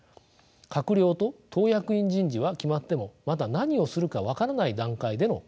閣僚と党役員人事は決まってもまだ何をするか分からない段階での解散です。